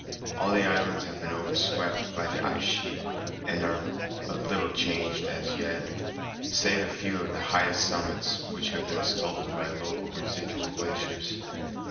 All the islands have been overswept by the ice sheet and are but little changed as yet, save a few of the highest summits which have been sculptured by local residual glaciers.